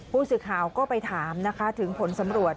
ผู้สื่อข่าก็ไปถามที่ผลสำหรวจ